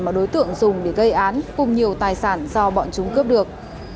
mà đối tượng dùng để gây án cùng nhiều tài sản do bọn chúng cướp được